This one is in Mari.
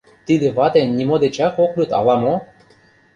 Тиде вате нимо дечак ок лӱд ала-мо?